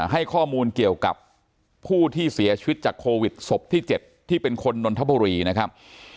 ให้ข้อมูลเกี่ยวกับผู้ที่เสียชีวิตจากโควิดศพที่๗ที่เป็นคนนนทบุรีนะครับ